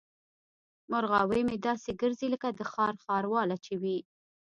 مرغاوۍ مې داسې ګرځي لکه د ښار ښارواله چې وي.